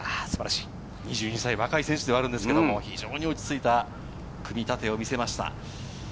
２２歳、若い選手ですけれども、非常に落ち着いた組み立てを見せました。